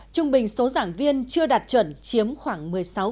trung bình số giảng viên chưa đạt chuẩn chiếm khoảng một mươi sáu